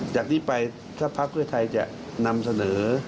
จากนี้ไปถ้าพักเพื่อไทยจะนำเสนอ